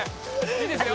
いいですよ。